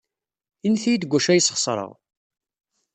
Init-iyi-d deg wacu ay sxeṣreɣ.